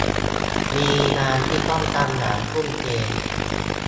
มีงานที่ต้องทำอย่างทุ่มเท